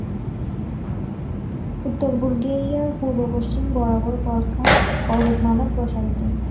উত্তর বুলগেরিয়ার পূর্ব-পশ্চিম বরাবর বলকান পর্বতমালা প্রসারিত।